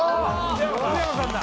福山さんだ